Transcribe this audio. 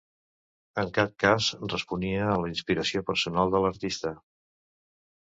En cap cas responia a la inspiració personal de l'artista.